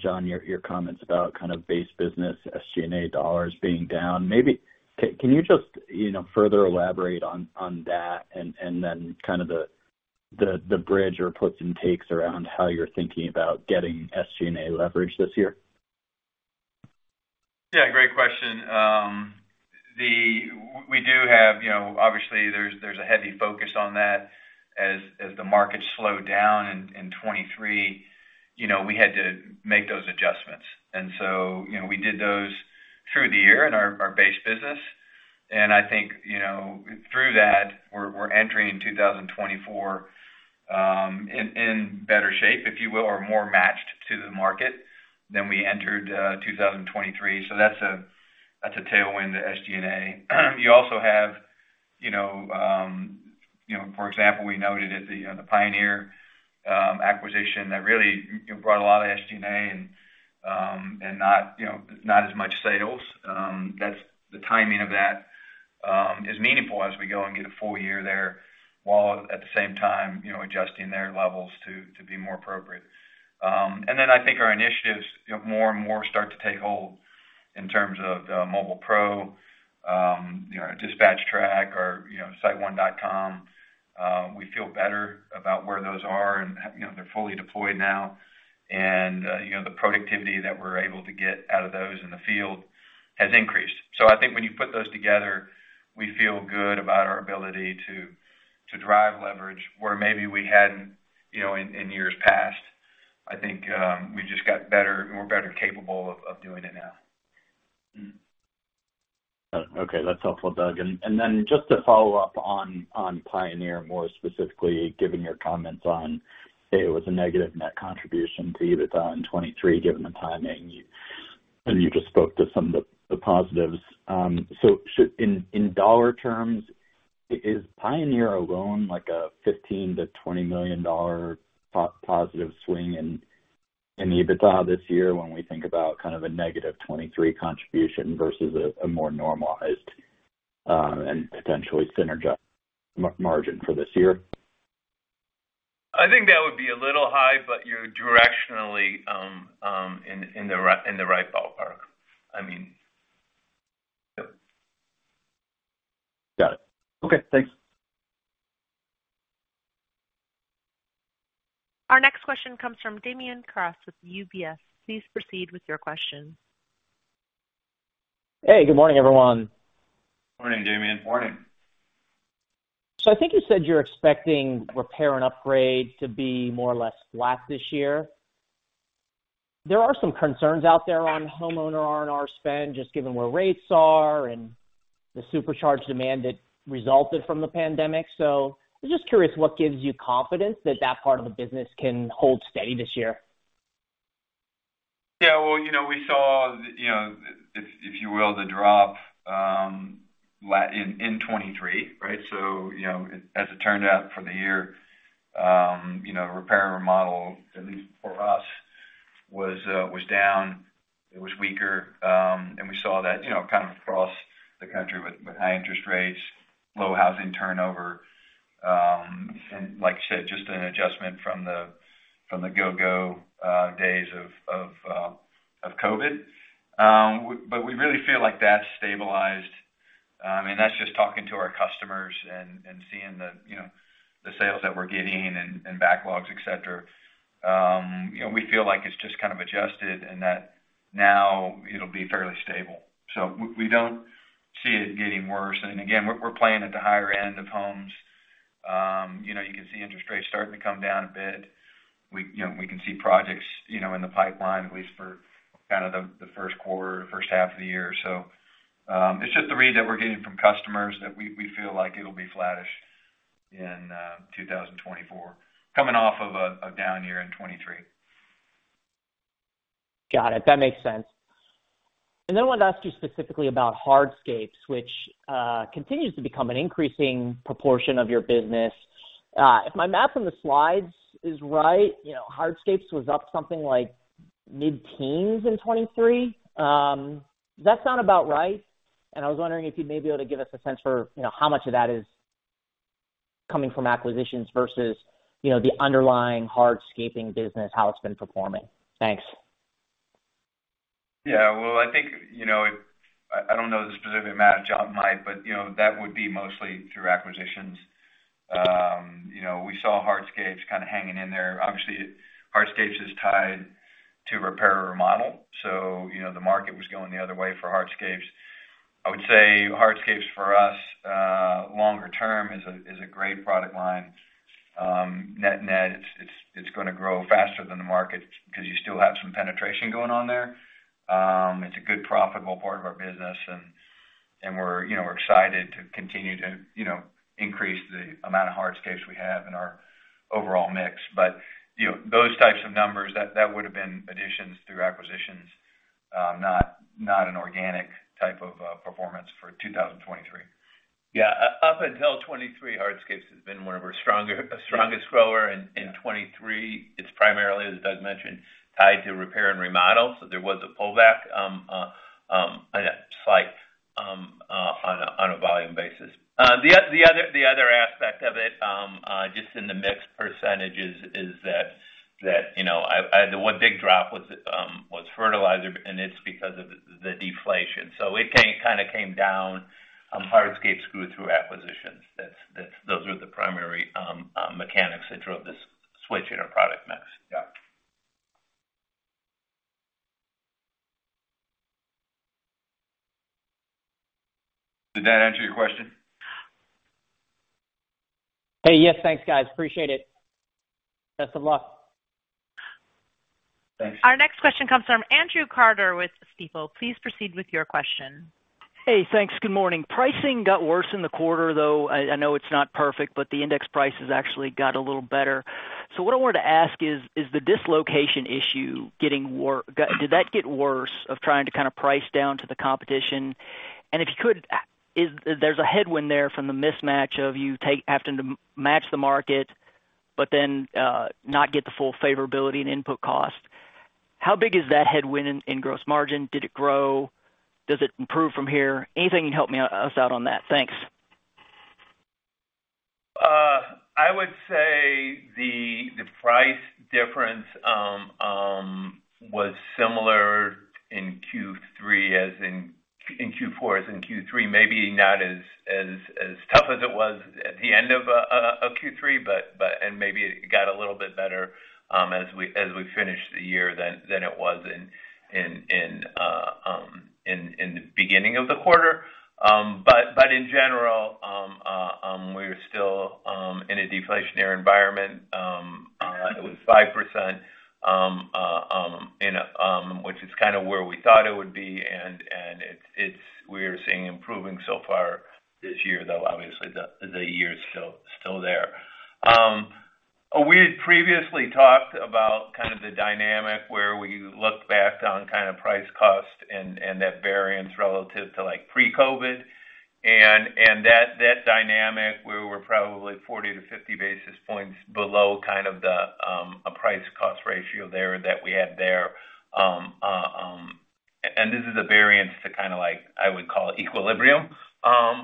John, your comments about kind of base business SG&A dollars being down. Can you just further elaborate on that and then kind of the bridge or puts and takes around how you're thinking about getting SG&A leverage this year? Yeah. Great question. We do have, obviously, there's a heavy focus on that. As the market slowed down in 2023, we had to make those adjustments. And so we did those through the year in our base business. And I think through that, we're entering 2024 in better shape, if you will, or more matched to the market than we entered 2023. So that's a tailwind to SG&A. You also have, for example, we noted at the Pioneer acquisition that really brought a lot of SG&A and not as much sales. The timing of that is meaningful as we go and get a full year there while at the same time adjusting their levels to be more appropriate. And then I think our initiatives more and more start to take hold in terms of Mobile PRO, DispatchTrack, or siteone.com. We feel better about where those are, and they're fully deployed now. The productivity that we're able to get out of those in the field has increased. I think when you put those together, we feel good about our ability to drive leverage where maybe we hadn't in years past. I think we've just got better, and we're better capable of doing it now. Got it. Okay. That's helpful, Doug. And then just to follow up on Pioneer more specifically, given your comments on it was a negative net contribution to EBITDA in 2023 given the timing, and you just spoke to some of the positives. So in dollar terms, is Pioneer alone like a $15 million-$20 million positive swing in EBITDA this year when we think about kind of a negative 2023 contribution versus a more normalized and potentially synergized margin for this year? I think that would be a little high, but you're directionally in the right ballpark. I mean, yeah. Got it. Okay. Thanks. Our next question comes from Damian Karas with UBS. Please proceed with your question. Hey. Good morning, everyone. Morning, Damian. Morning. So I think you said you're expecting repair and upgrade to be more or less flat this year. There are some concerns out there on homeowner R&R spend just given where rates are and the supercharged demand that resulted from the pandemic. So I'm just curious what gives you confidence that that part of the business can hold steady this year? Yeah. Well, we saw, if you will, the drop in 2023, right? So as it turned out for the year, repair and remodel, at least for us, was down. It was weaker. And we saw that kind of across the country with high interest rates, low housing turnover, and like I said, just an adjustment from the go-go days of COVID. But we really feel like that's stabilized. I mean, that's just talking to our customers and seeing the sales that we're getting and backlogs, etc. We feel like it's just kind of adjusted and that now it'll be fairly stable. So we don't see it getting worse. And again, we're playing at the higher end of homes. You can see interest rates starting to come down a bit. We can see projects in the pipeline, at least for kind of the first quarter, first half of the year. So it's just the read that we're getting from customers that we feel like it'll be flattish in 2024 coming off of a down year in 2023. Got it. That makes sense. And then I wanted to ask you specifically about hardscapes, which continues to become an increasing proportion of your business. If my math on the slides is right, hardscapes was up something like mid-teens in 2023. Does that sound about right? And I was wondering if you'd maybe be able to give us a sense for how much of that is coming from acquisitions versus the underlying hardscaping business, how it's been performing. Thanks. Yeah. Well, I think I don't know the specific amount, John might, but that would be mostly through acquisitions. We saw hardscapes kind of hanging in there. Obviously, hardscapes is tied to repair and remodel, so the market was going the other way for hardscapes. I would say hardscapes for us, longer term, is a great product line. Net-net, it's going to grow faster than the market because you still have some penetration going on there. It's a good profitable part of our business, and we're excited to continue to increase the amount of hardscapes we have in our overall mix. But those types of numbers, that would have been additions through acquisitions, not an organic type of performance for 2023. Yeah. Up until 2023, hardscapes has been one of our strongest growers. In 2023, it's primarily, as Doug mentioned, tied to repair and remodel. So there was a pullback slight on a volume basis. The other aspect of it, just in the mix percentages, is that the one big drop was fertilizer, and it's because of the deflation. So it kind of came down. Hardscapes grew through acquisitions. Those were the primary mechanics that drove this switch in our product mix. Yeah. Did that answer your question? Hey. Yes. Thanks, guys. Appreciate it. Best of luck. Thanks. Our next question comes from Andrew Carter with Stifel. Please proceed with your question. Hey. Thanks. Good morning. Pricing got worse in the quarter, though. I know it's not perfect, but the index prices actually got a little better. So what I wanted to ask is, is the dislocation issue getting worse in trying to kind of price down to the competition? And if you could, there's a headwind there from the mismatch of you having to match the market but then not get the full favorability in input cost. How big is that headwind in gross margin? Did it grow? Does it improve from here? Anything you can help us out on that? Thanks. I would say the price difference was similar in Q3 as in Q4 as in Q3, maybe not as tough as it was at the end of Q3, and maybe it got a little bit better as we finished the year than it was in the beginning of the quarter. But in general, we're still in a deflationary environment. It was 5%, which is kind of where we thought it would be. And we are seeing improving so far this year, though. Obviously, the year's still there. We had previously talked about kind of the dynamic where we looked back on kind of price-cost and that variance relative to pre-COVID. And that dynamic, we were probably 40-50 basis points below kind of a price-cost ratio there that we had there. This is a variance to kind of, I would call, equilibrium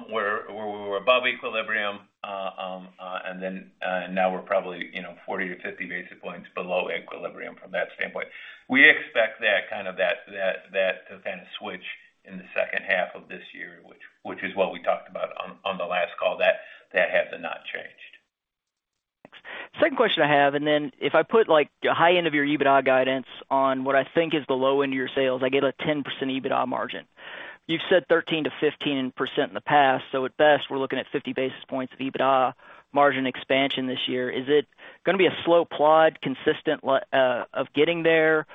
where we were above equilibrium, and now we're probably 40-50 basis points below equilibrium from that standpoint. We expect kind of that to kind of switch in the second half of this year, which is what we talked about on the last call. That has not changed. Second question I have. Then if I put high end of your EBITDA guidance on what I think is the low end of your sales, I get a 10% EBITDA margin. You've said 13%-15% in the past. So at best, we're looking at 50 basis points of EBITDA margin expansion this year. Is it going to be a slow plod, consistent of getting there?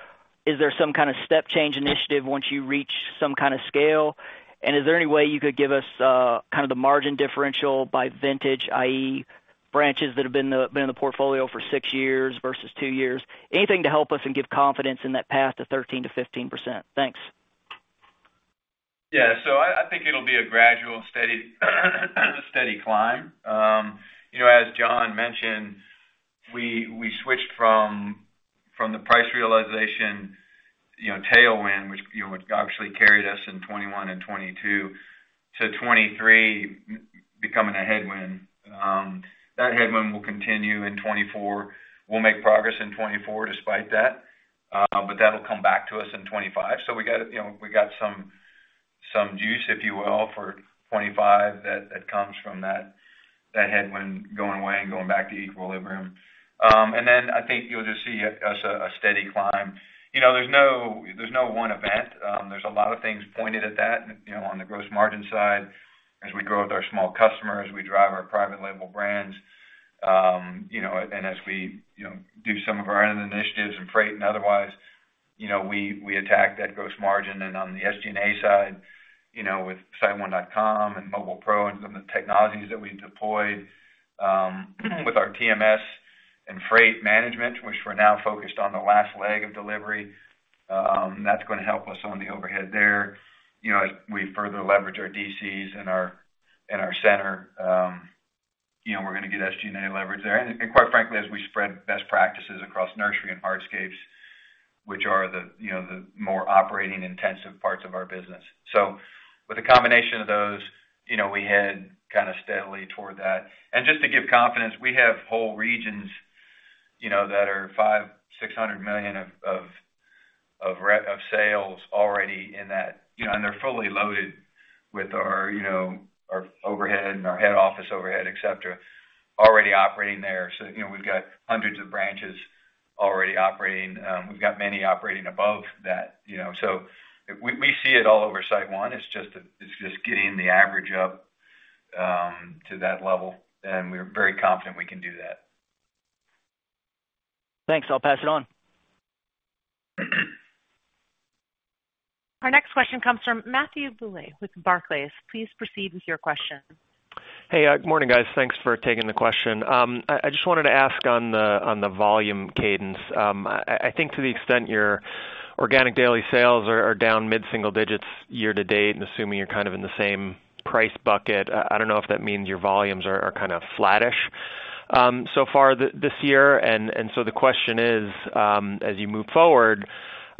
Is there some kind of step change initiative once you reach some kind of scale? And is there any way you could give us kind of the margin differential by vintage, i.e., branches that have been in the portfolio for six years versus two years? Anything to help us and give confidence in that path to 13%-15%. Thanks. Yeah. So I think it'll be a gradual, steady climb. As John mentioned, we switched from the price realization tailwind, which obviously carried us in 2021 and 2022, to 2023 becoming a headwind. That headwind will continue in 2024. We'll make progress in 2024 despite that, but that'll come back to us in 2025. So we got some juice, if you will, for 2025 that comes from that headwind going away and going back to equilibrium. And then I think you'll just see a steady climb. There's no one event. There's a lot of things pointed at that on the gross margin side. As we grow with our small customers, we drive our private label brands. And as we do some of our own initiatives in freight and otherwise, we attack that gross margin. On the SG&A side with siteone.com and Mobile PRO and some of the technologies that we deployed with our TMS and freight management, which we're now focused on the last leg of delivery, that's going to help us on the overhead there. As we further leverage our DCs and our center, we're going to get SG&A leverage there. Quite frankly, as we spread best practices across nursery and hardscapes, which are the more operating-intensive parts of our business. With a combination of those, we head kind of steadily toward that. Just to give confidence, we have whole regions that are $500 million-$600 million of sales already in that, and they're fully loaded with our overhead and our head office overhead, etc., already operating there. We've got hundreds of branches already operating. We've got many operating above that. We see it all over SiteOne. It's just getting the average up to that level, and we're very confident we can do that. Thanks. I'll pass it on. Our next question comes from Matthew Bouley with Barclays. Please proceed with your question. Hey. Good morning, guys. Thanks for taking the question. I just wanted to ask on the volume cadence. I think to the extent your organic daily sales are down mid-single digits year to date and assuming you're kind of in the same price bucket, I don't know if that means your volumes are kind of flattish so far this year. And so the question is, as you move forward,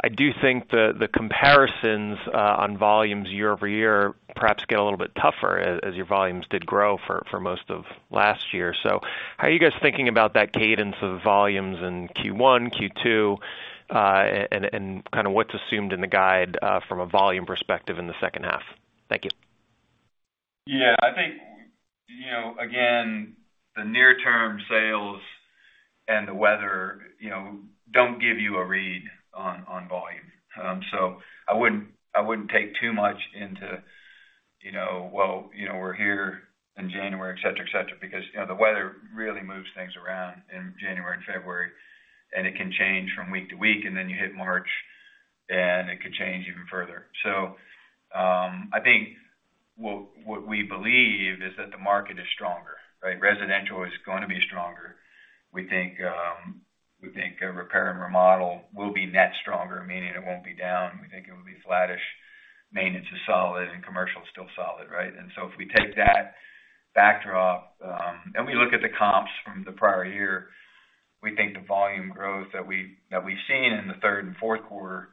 I do think the comparisons on volumes year-over-year perhaps get a little bit tougher as your volumes did grow for most of last year. So how are you guys thinking about that cadence of volumes in Q1, Q2, and kind of what's assumed in the guide from a volume perspective in the second half? Thank you. Yeah. I think, again, the near-term sales and the weather don't give you a read on volume. So I wouldn't take too much into, "Well, we're here in January," etc., etc., because the weather really moves things around in January and February, and it can change from week to week. And then you hit March, and it could change even further. So I think what we believe is that the market is stronger, right? Residential is going to be stronger. We think repair and remodel will be net stronger, meaning it won't be down. We think it will be flattish. Maintenance is solid, and commercial is still solid, right? And so if we take that backdrop and we look at the comps from the prior year, we think the volume growth that we've seen in the third and fourth quarter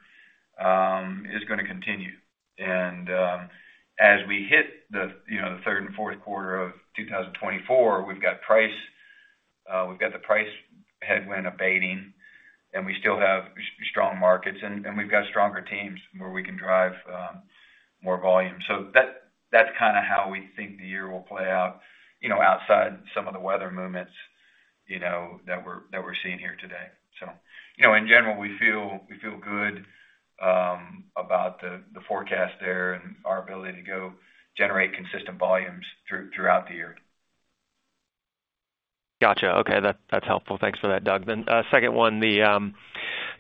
is going to continue. As we hit the third and fourth quarter of 2024, we've got the price headwind abating, and we still have strong markets, and we've got stronger teams where we can drive more volume. So that's kind of how we think the year will play out outside some of the weather movements that we're seeing here today. So in general, we feel good about the forecast there and our ability to go generate consistent volumes throughout the year. Gotcha. Okay. That's helpful. Thanks for that, Doug. Then second one,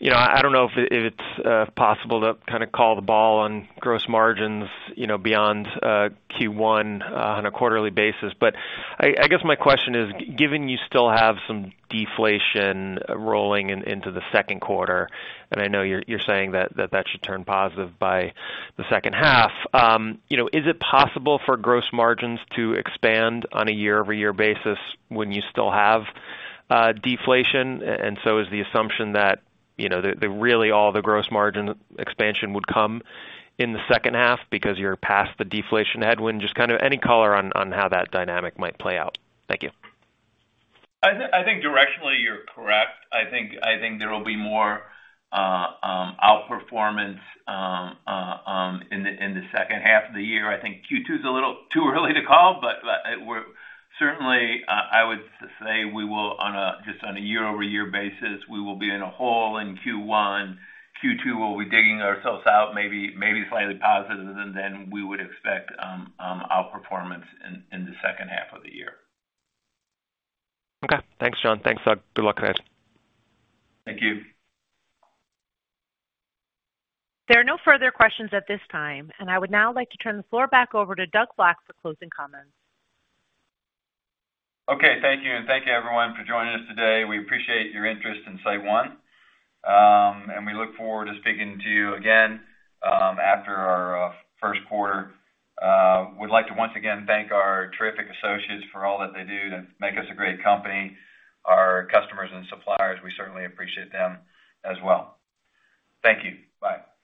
I don't know if it's possible to kind of call the ball on gross margins beyond Q1 on a quarterly basis. But I guess my question is, given you still have some deflation rolling into the second quarter, and I know you're saying that that should turn positive by the second half, is it possible for gross margins to expand on a year-over-year basis when you still have deflation? And so is the assumption that really all the gross margin expansion would come in the second half because you're past the deflation headwind? Just kind of any color on how that dynamic might play out. Thank you. I think directionally, you're correct. I think there will be more outperformance in the second half of the year. I think Q2 is a little too early to call, but certainly, I would say just on a year-over-year basis, we will be in a hole in Q1. Q2, we'll be digging ourselves out, maybe slightly positive than we would expect outperformance in the second half of the year. Okay. Thanks, John. Thanks, Doug. Good luck, guys. Thank you. There are no further questions at this time, and I would now like to turn the floor back over to Doug Black for closing comments. Okay. Thank you. And thank you, everyone, for joining us today. We appreciate your interest in SiteOne, and we look forward to speaking to you again after our first quarter. Would like to once again thank our terrific associates for all that they do to make us a great company. Our customers and suppliers, we certainly appreciate them as well. Thank you. Bye.